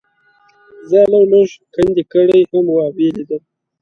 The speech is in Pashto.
ځای یې لږ لږ کندې کړی هم و او یې لیدل.